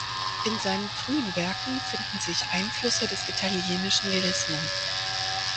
In seinen frühen Werken finden sich Einflüsse des italienischen Verismo.